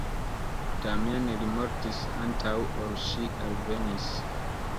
Tamen, li mortis antaŭ ol ŝi alvenis.